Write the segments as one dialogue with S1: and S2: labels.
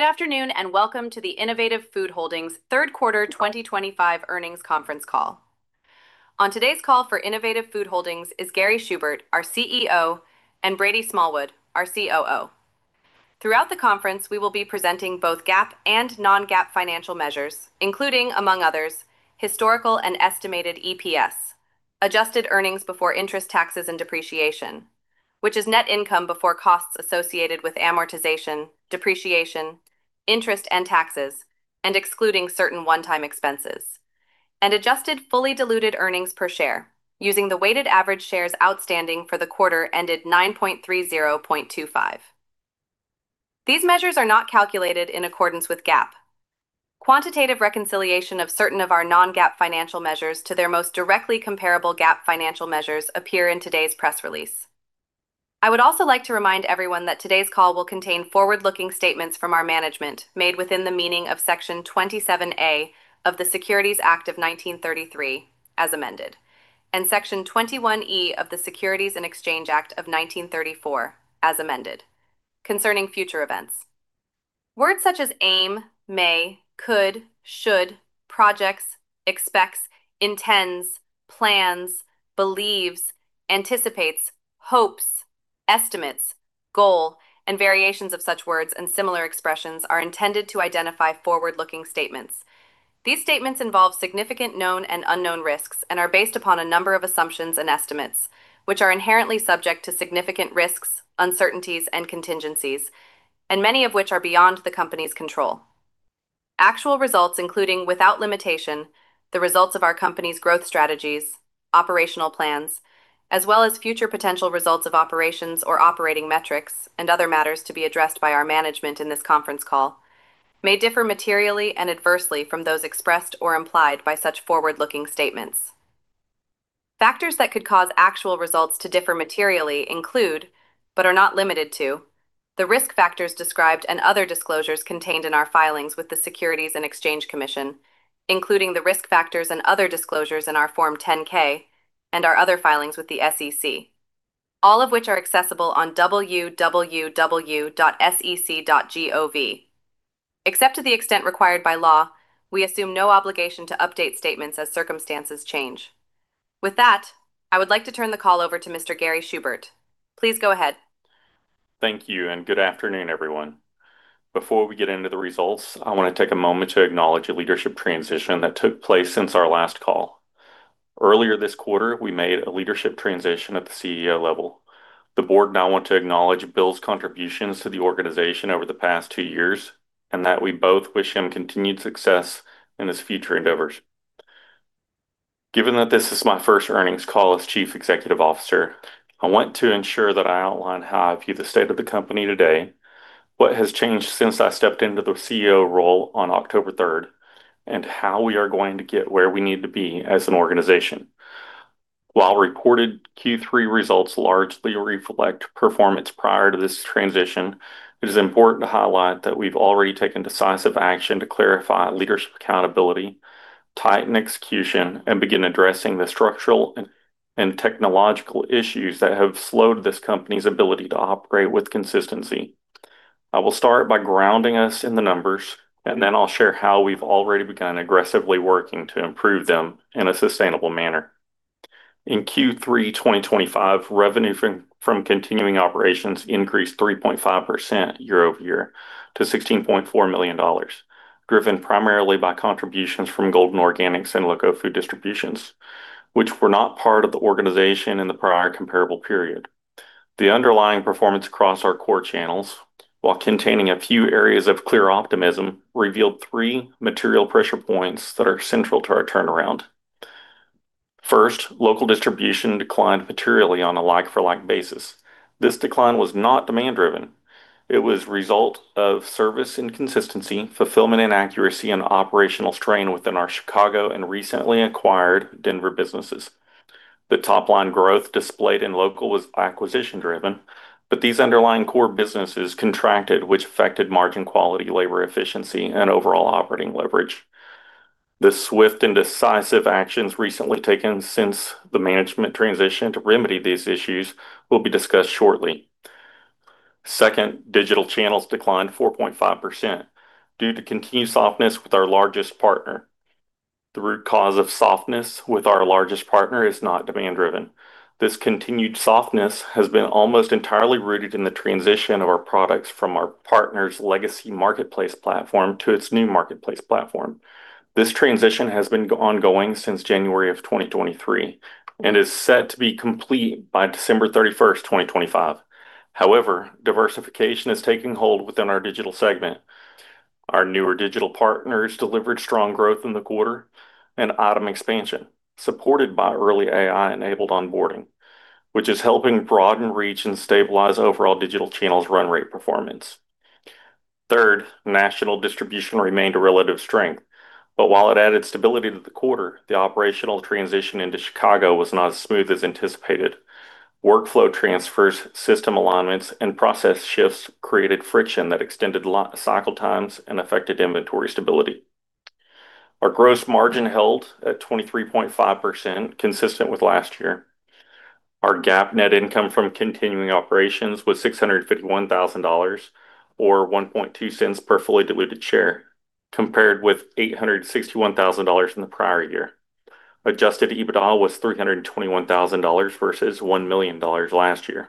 S1: Good afternoon and welcome to the Innovative Food Holdings Third Quarter 2025 Earnings Conference call. On today's call for Innovative Food Holdings is Gary Schubert, our CEO, and Brady Smallwood, our COO. Throughout the conference, we will be presenting both GAAP and non-GAAP financial measures, including, among others, historical and estimated EPS—Adjusted Earnings Before Interest, Taxes, and Depreciation—which is net income before costs associated with amortization, depreciation, interest and taxes, and excluding certain one-time expenses—and Adjusted Fully Diluted Earnings per Share, using the weighted average shares outstanding for the quarter ended 9.30.2025. These measures are not calculated in accordance with GAAP. Quantitative reconciliation of certain of our non-GAAP financial measures to their most directly comparable GAAP financial measures appears in today's press release. I would also like to remind everyone that today's call will contain forward-looking statements from our management made within the meaning of Section 27A of the Securities Act of 1933, as amended, and Section 21E of the Securities and Exchange Act of 1934, as amended, concerning future events. Words such as aim, may, could, should, projects, expects, intends, plans, believes, anticipates, hopes, estimates, goal, and variations of such words and similar expressions are intended to identify forward-looking statements. These statements involve significant known and unknown risks and are based upon a number of assumptions and estimates, which are inherently subject to significant risks, uncertainties, and contingencies, and many of which are beyond the company's control. Actual results, including without limitation, the results of our company's growth strategies, operational plans, as well as future potential results of operations or operating metrics and other matters to be addressed by our management in this conference call, may differ materially and adversely from those expressed or implied by such forward-looking statements. Factors that could cause actual results to differ materially include, but are not limited to, the risk factors described and other disclosures contained in our filings with the Securities and Exchange Commission, including the risk factors and other disclosures in our Form 10-K and our other filings with the SEC, all of which are accessible on www.sec.gov. Except to the extent required by law, we assume no obligation to update statements as circumstances change. With that, I would like to turn the call over to Mr. Gary Schubert. Please go ahead.
S2: Thank you, and good afternoon, everyone. Before we get into the results, I want to take a moment to acknowledge a leadership transition that took place since our last call. Earlier this quarter, we made a leadership transition at the CEO level. The board now wants to acknowledge Bill's contributions to the organization over the past two years and that we both wish him continued success in his future endeavors. Given that this is my first earnings call as Chief Executive Officer, I want to ensure that I outline how I view the state of the company today, what has changed since I stepped into the CEO role on October 3rd, and how we are going to get where we need to be as an organization. While reported Q3 results largely reflect performance prior to this transition, it is important to highlight that we've already taken decisive action to clarify leadership accountability, tighten execution, and begin addressing the structural and technological issues that have slowed this company's ability to operate with consistency. I will start by grounding us in the numbers, and then I'll share how we've already begun aggressively working to improve them in a sustainable manner. In Q3 2025, revenue from continuing operations increased 3.5% year over year to $16.4 million, driven primarily by contributions from Golden Organics and Loco Food Distributions, which were not part of the organization in the prior comparable period. The underlying performance across our core channels, while containing a few areas of clear optimism, revealed three material pressure points that are central to our turnaround. First, local distribution declined materially on a like-for-like basis. This decline was not demand-driven. It was the result of service and consistency, fulfillment and accuracy, and operational strain within our Chicago and recently acquired Denver businesses. The top-line growth displayed in Loco was acquisition-driven, but these underlying core businesses contracted, which affected margin quality, labor efficiency, and overall operating leverage. The swift and decisive actions recently taken since the management transition to remedy these issues will be discussed shortly. Second, digital channels declined 4.5% due to continued softness with our largest partner. The root cause of softness with our largest partner is not demand-driven. This continued softness has been almost entirely rooted in the transition of our products from our partner's legacy marketplace platform to its new marketplace platform. This transition has been ongoing since January of 2023 and is set to be complete by December 31st, 2025. However, diversification is taking hold within our digital segment. Our newer digital partners delivered strong growth in the quarter and autumn expansion, supported by early AI-enabled onboarding, which is helping broaden reach and stabilize overall digital channels run rate performance. Third, national distribution remained a relative strength, but while it added stability to the quarter, the operational transition into Chicago was not as smooth as anticipated. Workflow transfers, system alignments, and process shifts created friction that extended cycle times and affected inventory stability. Our gross margin held at 23.5%, consistent with last year. Our GAAP net income from continuing operations was $651,000, or $0.012 per fully diluted share, compared with $861,000 in the prior year. Adjusted EBITDA was $321,000 versus $1 million last year.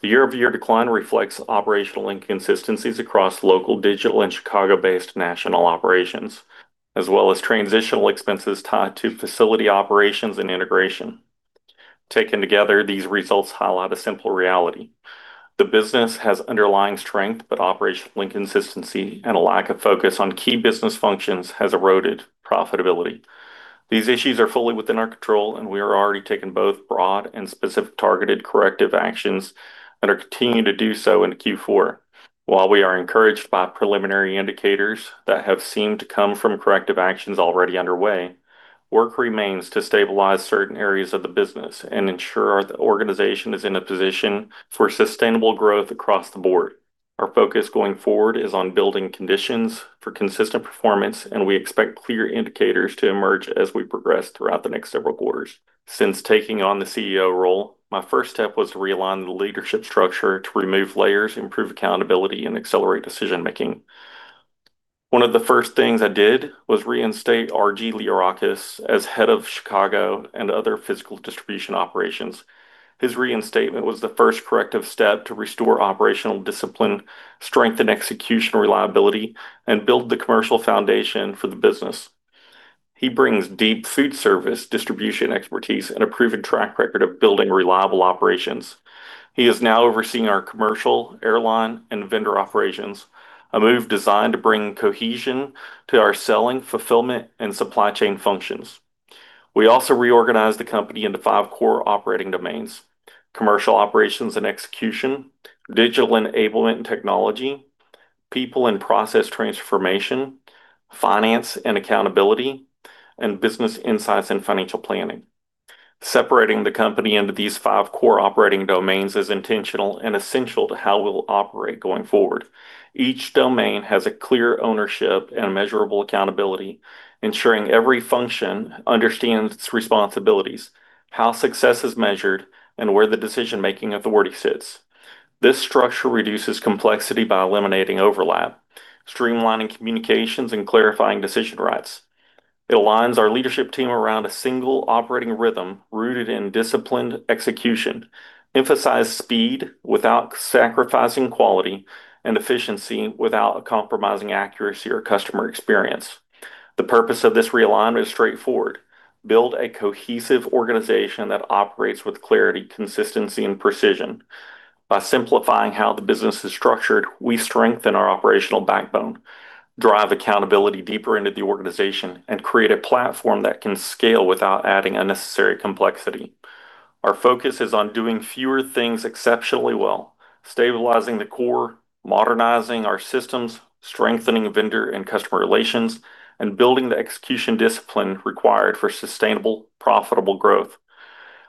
S2: The year-over-year decline reflects operational inconsistencies across local, digital, and Chicago-based national operations, as well as transitional expenses tied to facility operations and integration. Taken together, these results highlight a simple reality: the business has underlying strength, but operational inconsistency and a lack of focus on key business functions have eroded profitability. These issues are fully within our control, and we are already taking both broad and specific targeted corrective actions and are continuing to do so in Q4. While we are encouraged by preliminary indicators that have seemed to come from corrective actions already underway, work remains to stabilize certain areas of the business and ensure the organization is in a position for sustainable growth across the board. Our focus going forward is on building conditions for consistent performance, and we expect clear indicators to emerge as we progress throughout the next several quarters. Since taking on the CEO role, my first step was to realign the leadership structure to remove layers, improve accountability, and accelerate decision-making. One of the first things I did was reinstate R.G. Liorakis as head of Chicago and other physical distribution operations. His reinstatement was the first corrective step to restore operational discipline, strengthen execution reliability, and build the commercial foundation for the business. He brings deep food service distribution expertise and a proven track record of building reliable operations. He is now overseeing our commercial, airline, and vendor operations, a move designed to bring cohesion to our selling, fulfillment, and supply chain functions. We also reorganized the company into five core operating domains: commercial operations and execution, digital enablement and technology, people and process transformation, finance and accountability, and business insights and financial planning. Separating the company into these five core operating domains is intentional and essential to how we'll operate going forward. Each domain has a clear ownership and measurable accountability, ensuring every function understands its responsibilities, how success is measured, and where the decision-making authority sits. This structure reduces complexity by eliminating overlap, streamlining communications, and clarifying decision rights. It aligns our leadership team around a single operating rhythm rooted in disciplined execution, emphasizes speed without sacrificing quality and efficiency without compromising accuracy or customer experience. The purpose of this realignment is straightforward: build a cohesive organization that operates with clarity, consistency, and precision. By simplifying how the business is structured, we strengthen our operational backbone, drive accountability deeper into the organization, and create a platform that can scale without adding unnecessary complexity. Our focus is on doing fewer things exceptionally well: stabilizing the core, modernizing our systems, strengthening vendor and customer relations, and building the execution discipline required for sustainable, profitable growth.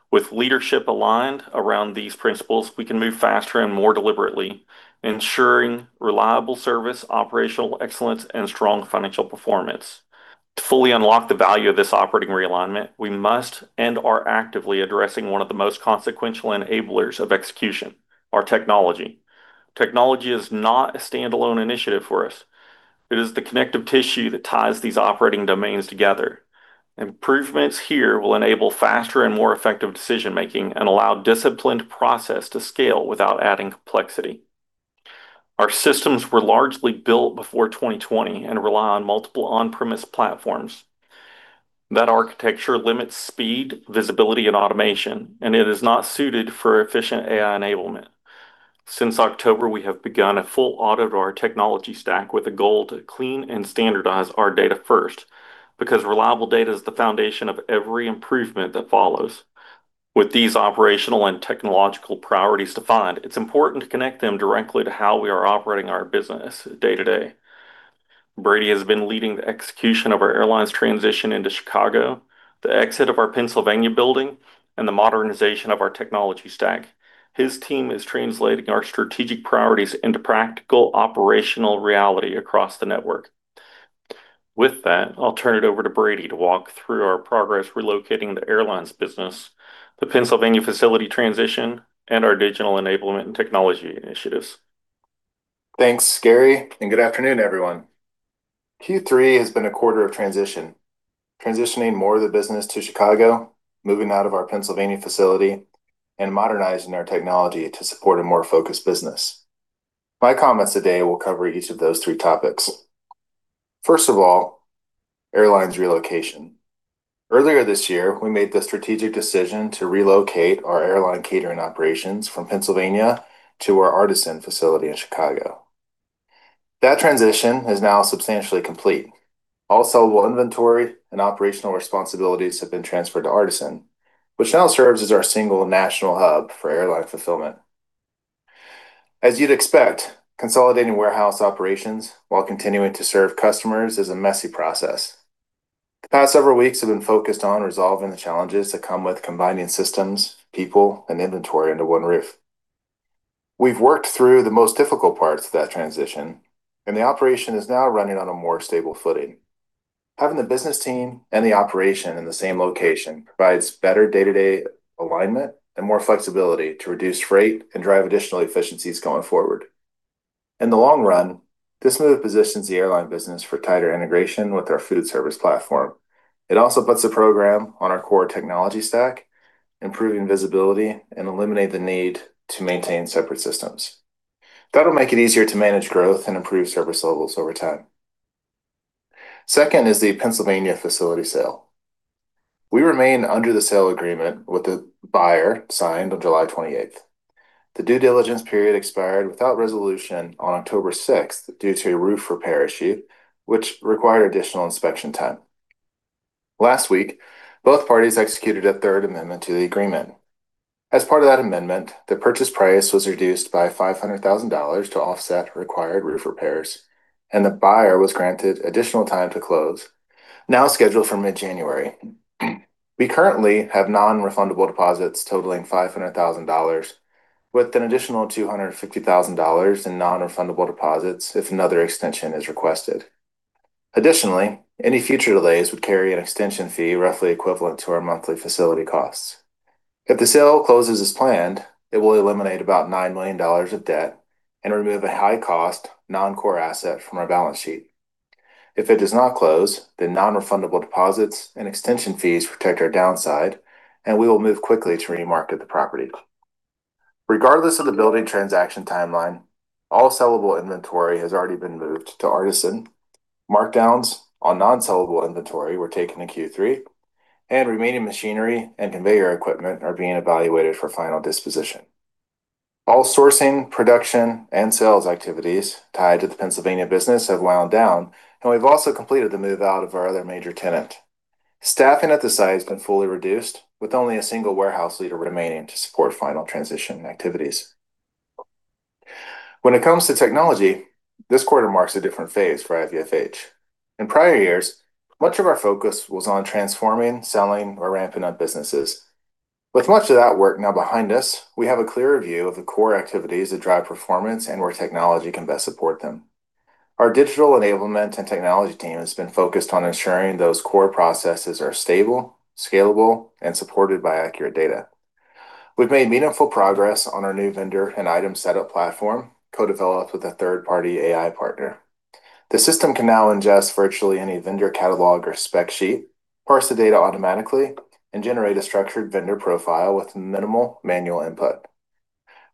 S2: With leadership aligned around these principles, we can move faster and more deliberately, ensuring reliable service, operational excellence, and strong financial performance. To fully unlock the value of this operating realignment, we must and are actively addressing one of the most consequential enablers of execution: our technology. Technology is not a standalone initiative for us. It is the connective tissue that ties these operating domains together. Improvements here will enable faster and more effective decision-making and allow disciplined processes to scale without adding complexity. Our systems were largely built before 2020 and rely on multiple on-premise platforms. That architecture limits speed, visibility, and automation, and it is not suited for efficient AI enablement. Since October, we have begun a full audit of our technology stack with a goal to clean and standardize our data first because reliable data is the foundation of every improvement that follows. With these operational and technological priorities defined, it's important to connect them directly to how we are operating our business day-to-day. Brady has been leading the execution of our airlines' transition into Chicago, the exit of our Pennsylvania building, and the modernization of our technology stack. His team is translating our strategic priorities into practical operational reality across the network. With that, I'll turn it over to Brady to walk through our progress relocating the airlines business, the Pennsylvania facility transition, and our digital enablement and technology initiatives.
S3: Thanks, Gary, and good afternoon, everyone. Q3 has been a quarter of transition, transitioning more of the business to Chicago, moving out of our Pennsylvania facility, and modernizing our technology to support a more focused business. My comments today will cover each of those three topics. First of all, airlines relocation. Earlier this year, we made the strategic decision to relocate our airline catering operations from Pennsylvania to our Artisan facility in Chicago. That transition is now substantially complete. All sellable inventory and operational responsibilities have been transferred to Artisan, which now serves as our single national hub for airline fulfillment. As you'd expect, consolidating warehouse operations while continuing to serve customers is a messy process. The past several weeks have been focused on resolving the challenges that come with combining systems, people, and inventory under one roof. We've worked through the most difficult parts of that transition, and the operation is now running on a more stable footing. Having the business team and the operation in the same location provides better day-to-day alignment and more flexibility to reduce freight and drive additional efficiencies going forward. In the long run, this move positions the airline business for tighter integration with our food service platform. It also puts the program on our core technology stack, improving visibility and eliminating the need to maintain separate systems. That'll make it easier to manage growth and improve service levels over time. Second is the Pennsylvania facility sale. We remain under the sale agreement with the buyer signed on July 28. The due diligence period expired without resolution on October 6 due to a roof repair issue, which required additional inspection time. Last week, both parties executed a Third Amendment to the agreement. As part of that amendment, the purchase price was reduced by $500,000 to offset required roof repairs, and the buyer was granted additional time to close, now scheduled for mid-January. We currently have non-refundable deposits totaling $500,000, with an additional $250,000 in non-refundable deposits if another extension is requested. Additionally, any future delays would carry an extension fee roughly equivalent to our monthly facility costs. If the sale closes as planned, it will eliminate about $9 million of debt and remove a high-cost non-core asset from our balance sheet. If it does not close, the non-refundable deposits and extension fees protect our downside, and we will move quickly to remarket the property. Regardless of the building transaction timeline, all sellable inventory has already been moved to Artisan. Markdowns on non-sellable inventory were taken in Q3, and remaining machinery and conveyor equipment are being evaluated for final disposition. All sourcing, production, and sales activities tied to the Pennsylvania business have wound down, and we've also completed the move out of our other major tenant. Staffing at the site has been fully reduced, with only a single warehouse leader remaining to support final transition activities. When it comes to technology, this quarter marks a different phase for IVFH. In prior years, much of our focus was on transforming, selling, or ramping up businesses. With much of that work now behind us, we have a clearer view of the core activities that drive performance and where technology can best support them. Our digital enablement and technology team has been focused on ensuring those core processes are stable, scalable, and supported by accurate data. We've made meaningful progress on our new vendor and item setup platform, co-developed with a third-party AI partner. The system can now ingest virtually any vendor catalog or spec sheet, parse the data automatically, and generate a structured vendor profile with minimal manual input.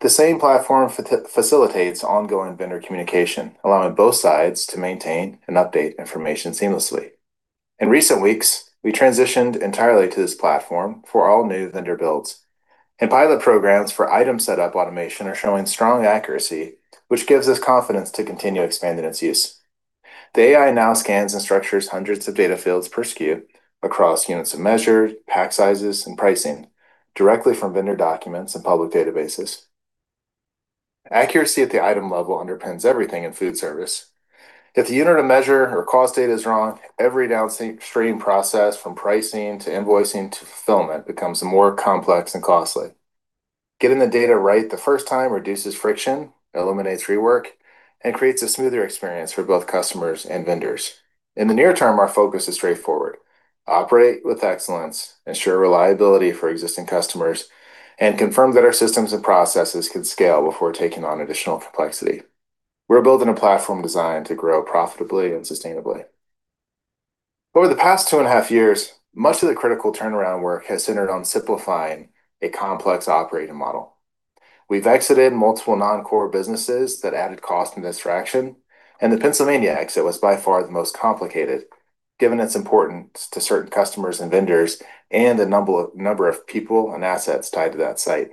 S3: The same platform facilitates ongoing vendor communication, allowing both sides to maintain and update information seamlessly. In recent weeks, we transitioned entirely to this platform for all new vendor builds, and pilot programs for item setup automation are showing strong accuracy, which gives us confidence to continue expanding its use. The AI now scans and structures hundreds of data fields per SKU across units of measure, pack sizes, and pricing directly from vendor documents and public databases. Accuracy at the item level underpins everything in food service. If the unit of measure or cost data is wrong, every downstream process from pricing to invoicing to fulfillment becomes more complex and costly. Getting the data right the first time reduces friction, eliminates rework, and creates a smoother experience for both customers and vendors. In the near term, our focus is straightforward: operate with excellence, ensure reliability for existing customers, and confirm that our systems and processes can scale before taking on additional complexity. We're building a platform designed to grow profitably and sustainably. Over the past two and a half years, much of the critical turnaround work has centered on simplifying a complex operating model. We've exited multiple non-core businesses that added cost and distraction, and the Pennsylvania exit was by far the most complicated, given its importance to certain customers and vendors and the number of people and assets tied to that site.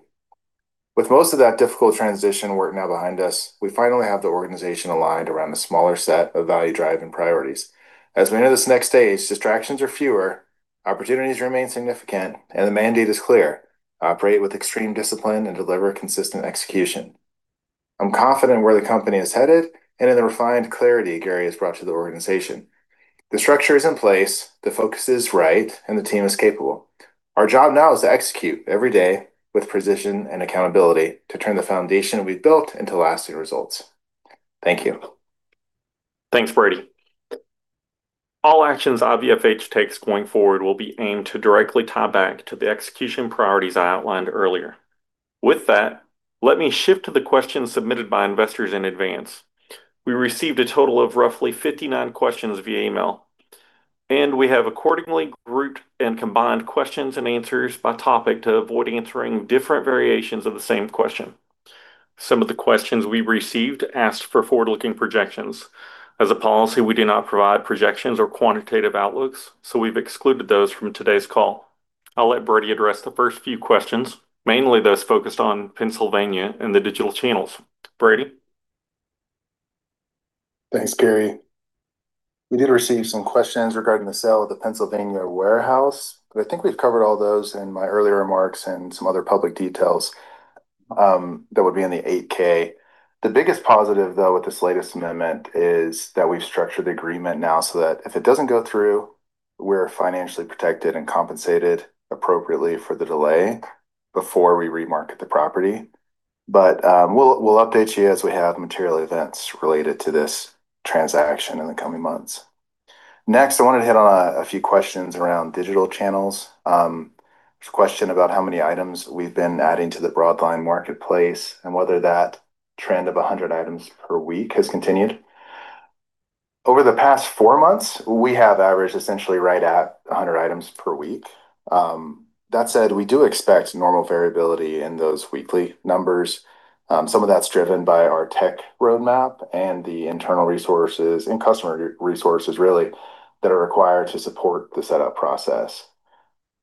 S3: With most of that difficult transition work now behind us, we finally have the organization aligned around a smaller set of value-driving priorities. As we enter this next stage, distractions are fewer, opportunities remain significant, and the mandate is clear: operate with extreme discipline and deliver consistent execution. I'm confident where the company is headed and in the refined clarity Gary has brought to the organization. The structure is in place, the focus is right, and the team is capable. Our job now is to execute every day with precision and accountability to turn the foundation we've built into lasting results. Thank you.
S2: Thanks, Brady. All actions IVFH takes going forward will be aimed to directly tie back to the execution priorities I outlined earlier. With that, let me shift to the questions submitted by investors in advance. We received a total of roughly 59 questions via email, and we have accordingly grouped and combined questions and answers by topic to avoid answering different variations of the same question. Some of the questions we received asked for forward-looking projections. As a policy, we do not provide projections or quantitative outlooks, so we've excluded those from today's call. I'll let Brady address the first few questions, mainly those focused on Pennsylvania and the digital channels. Brady?
S3: Thanks, Gary. We did receive some questions regarding the sale of the Pennsylvania warehouse, but I think we've covered all those in my earlier remarks and some other public details that would be in the 8-K. The biggest positive, though, with this latest amendment is that we've structured the agreement now so that if it doesn't go through, we're financially protected and compensated appropriately for the delay before we remarket the property. We will update you as we have material events related to this transaction in the coming months. Next, I wanted to hit on a few questions around digital channels. There's a question about how many items we've been adding to the broadline marketplace and whether that trend of 100 items per week has continued. Over the past four months, we have averaged essentially right at 100 items per week. That said, we do expect normal variability in those weekly numbers. Some of that's driven by our tech roadmap and the internal resources and customer resources, really, that are required to support the setup process.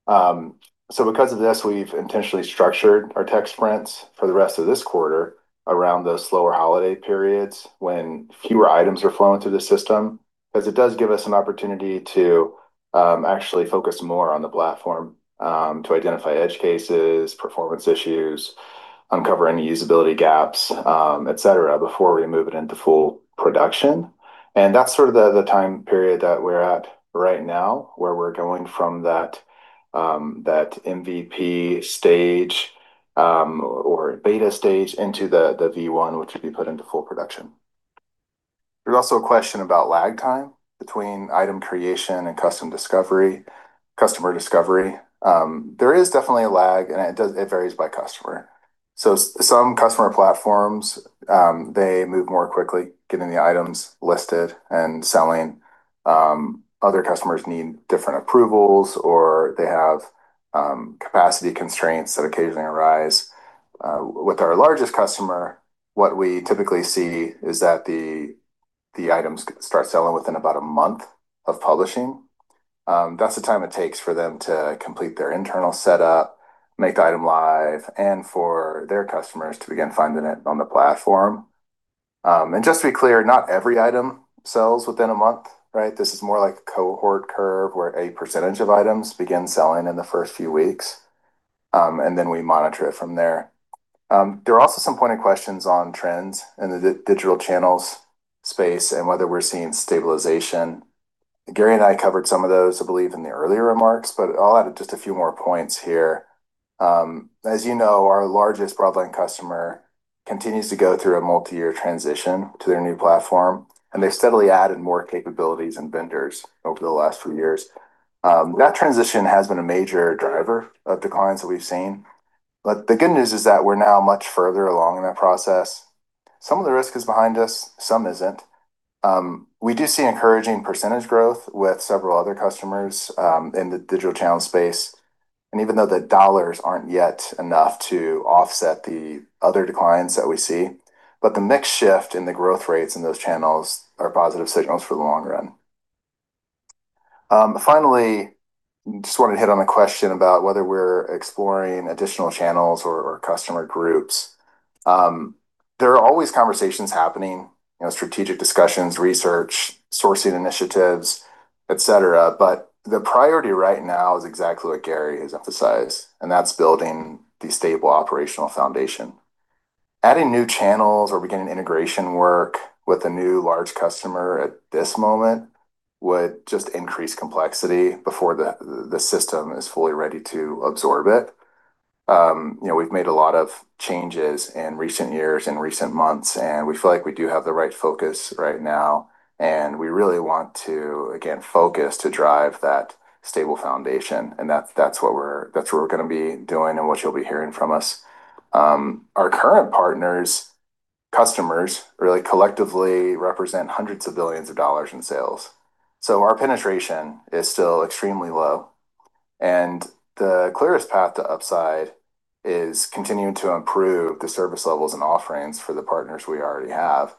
S3: Because of this, we've intentionally structured our tech sprints for the rest of this quarter around those slower holiday periods when fewer items are flowing through the system, as it does give us an opportunity to actually focus more on the platform to identify edge cases, performance issues, uncover any usability gaps, etc., before we move it into full production. That's sort of the time period that we're at right now, where we're going from that MVP stage or beta stage into the V1, which would be put into full production. There's also a question about lag time between item creation and customer discovery. There is definitely a lag, and it varies by customer. Some customer platforms move more quickly getting the items listed and selling. Other customers need different approvals, or they have capacity constraints that occasionally arise. With our largest customer, what we typically see is that the items start selling within about a month of publishing. That is the time it takes for them to complete their internal setup, make the item live, and for their customers to begin finding it on the platform. Just to be clear, not every item sells within a month, right? This is more like a cohort curve where a percentage of items begin selling in the first few weeks, and then we monitor it from there. There are also some pointed questions on trends in the digital channels space and whether we are seeing stabilization. Gary and I covered some of those, I believe, in the earlier remarks, but I'll add just a few more points here. As you know, our largest broadline customer continues to go through a multi-year transition to their new platform, and they've steadily added more capabilities and vendors over the last few years. That transition has been a major driver of declines that we've seen. The good news is that we're now much further along in that process. Some of the risk is behind us; some isn't. We do see encouraging percentage growth with several other customers in the digital channel space. Even though the dollars aren't yet enough to offset the other declines that we see, the mixed shift in the growth rates in those channels are positive signals for the long run. Finally, I just wanted to hit on a question about whether we're exploring additional channels or customer groups. There are always conversations happening, strategic discussions, research, sourcing initiatives, etc., but the priority right now is exactly what Gary has emphasized, and that's building the stable operational foundation. Adding new channels or beginning integration work with a new large customer at this moment would just increase complexity before the system is fully ready to absorb it. We've made a lot of changes in recent years and recent months, and we feel like we do have the right focus right now, and we really want to, again, focus to drive that stable foundation, and that's what we're going to be doing and what you'll be hearing from us. Our current partners, customers, really collectively represent hundreds of billions of dollars in sales. Our penetration is still extremely low, and the clearest path to upside is continuing to improve the service levels and offerings for the partners we already have.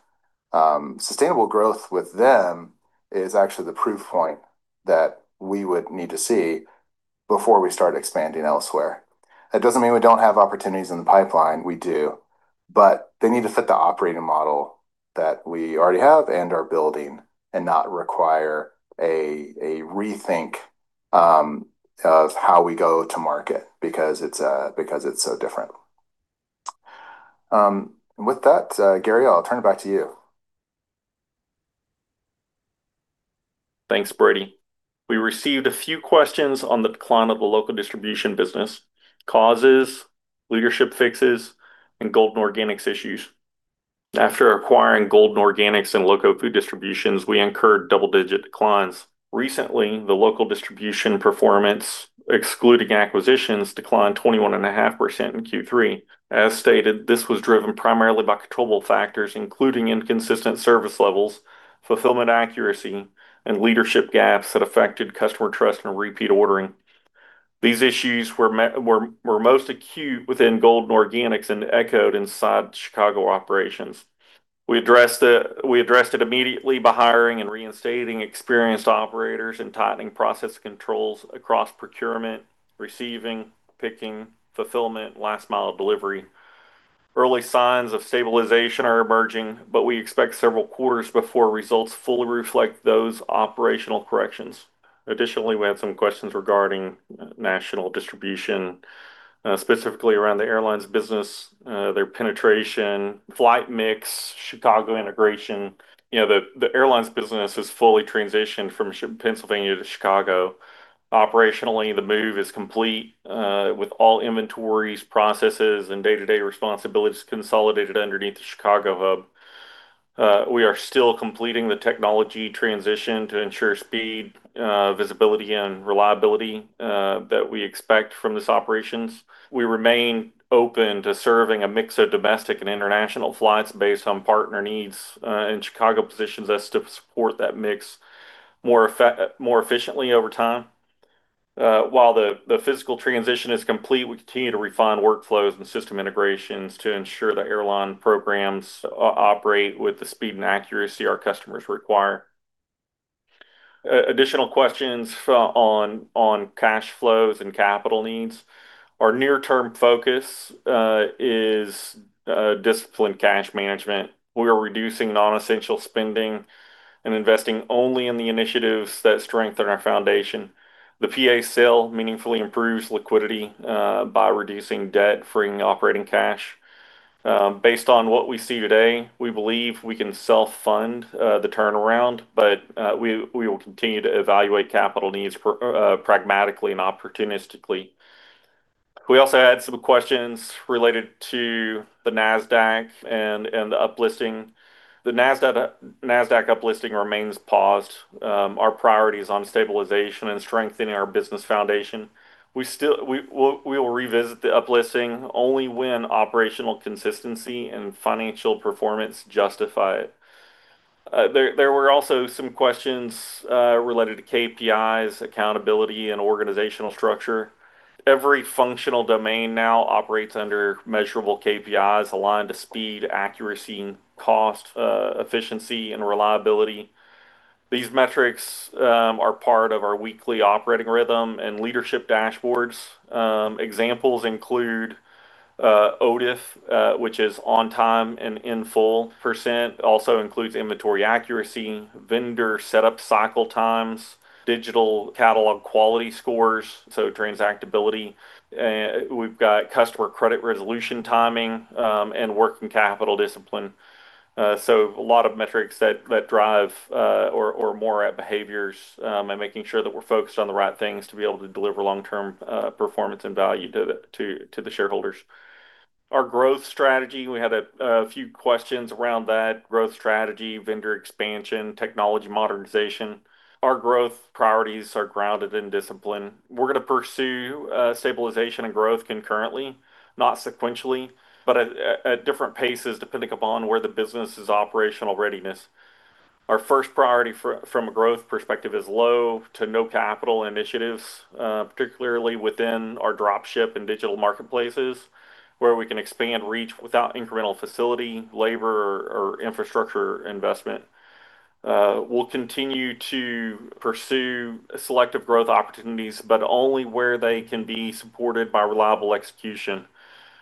S3: Sustainable growth with them is actually the proof point that we would need to see before we start expanding elsewhere. It does not mean we do not have opportunities in the pipeline. We do, but they need to fit the operating model that we already have and are building and not require a rethink of how we go to market because it is so different. With that, Gary, I will turn it back to you.
S2: Thanks, Brady. We received a few questions on the decline of the local distribution business, causes, leadership fixes, and Golden Organics issues. After acquiring Golden Organics and Loco Food Distributions, we incurred double-digit declines. Recently, the local distribution performance, excluding acquisitions, declined 21.5% in Q3. As stated, this was driven primarily by controllable factors, including inconsistent service levels, fulfillment accuracy, and leadership gaps that affected customer trust and repeat ordering. These issues were most acute within Golden Organics and echoed inside Chicago operations. We addressed it immediately by hiring and reinstating experienced operators and tightening process controls across procurement, receiving, picking, fulfillment, last mile delivery. Early signs of stabilization are emerging, but we expect several quarters before results fully reflect those operational corrections. Additionally, we had some questions regarding national distribution, specifically around the airline catering business, their penetration, flight mix, Chicago integration. The airlines business has fully transitioned from Pennsylvania to Chicago. Operationally, the move is complete with all inventories, processes, and day-to-day responsibilities consolidated underneath the Chicago hub. We are still completing the technology transition to ensure speed, visibility, and reliability that we expect from this operations. We remain open to serving a mix of domestic and international flights based on partner needs, and Chicago positions us to support that mix more efficiently over time. While the physical transition is complete, we continue to refine workflows and system integrations to ensure the airline programs operate with the speed and accuracy our customers require. Additional questions on cash flows and capital needs. Our near-term focus is disciplined cash management. We are reducing non-essential spending and investing only in the initiatives that strengthen our foundation. The Pennsylvania sale meaningfully improves liquidity by reducing debt, freeing operating cash. Based on what we see today, we believe we can self-fund the turnaround, but we will continue to evaluate capital needs pragmatically and opportunistically. We also had some questions related to the NASDAQ and the uplisting. The NASDAQ uplisting remains paused. Our priority is on stabilization and strengthening our business foundation. We will revisit the uplisting only when operational consistency and financial performance justify it. There were also some questions related to KPIs, accountability, and organizational structure. Every functional domain now operates under measurable KPIs aligned to speed, accuracy, cost, efficiency, and reliability. These metrics are part of our weekly operating rhythm and leadership dashboards. Examples include OTIF, which is on time and in full. Percent also includes inventory accuracy, vendor setup cycle times, digital catalog quality scores, so transactability. We've got customer credit resolution timing and working capital discipline. A lot of metrics that drive or more at behaviors and making sure that we're focused on the right things to be able to deliver long-term performance and value to the shareholders. Our growth strategy, we had a few questions around that growth strategy, vendor expansion, technology modernization. Our growth priorities are grounded in discipline. We're going to pursue stabilization and growth concurrently, not sequentially, but at different paces depending upon where the business's operational readiness. Our first priority from a growth perspective is low to no capital initiatives, particularly within our dropship and digital marketplaces, where we can expand reach without incremental facility, labor, or infrastructure investment. We'll continue to pursue selective growth opportunities, but only where they can be supported by reliable execution,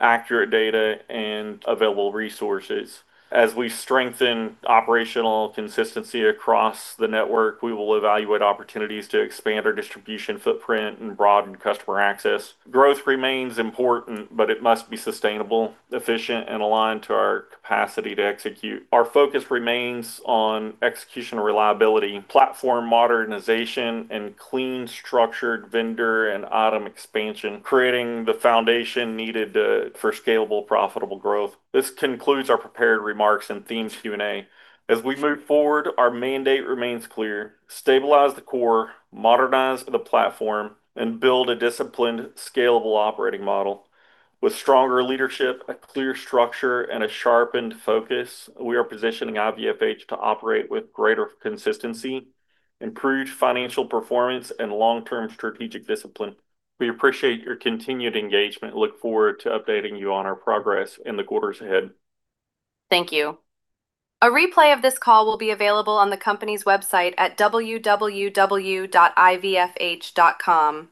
S2: accurate data, and available resources. As we strengthen operational consistency across the network, we will evaluate opportunities to expand our distribution footprint and broaden customer access. Growth remains important, but it must be sustainable, efficient, and aligned to our capacity to execute. Our focus remains on execution and reliability, platform modernization, and clean structured vendor and item expansion, creating the foundation needed for scalable, profitable growth. This concludes our prepared remarks and themes Q&A. As we move forward, our mandate remains clear. Stabilize the core, modernize the platform, and build a disciplined, scalable operating model. With stronger leadership, a clear structure, and a sharpened focus, we are positioning Innovative Food Holdings to operate with greater consistency, improved financial performance, and long-term strategic discipline. We appreciate your continued engagement and look forward to updating you on our progress in the quarters ahead.
S1: Thank you. A replay of this call will be available on the company's website at www.ivfh.com.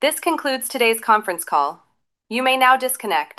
S1: This concludes today's conference call. You may now disconnect.